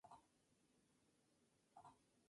Se espera que las obras duren ocho o diez años.